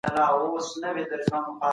په کورنۍ پوهه کې پر ماشوم تېری نه منل کېږي.